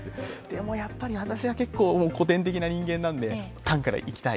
でもやっぱり私は結構古典的な人間なんで、タンからいきたい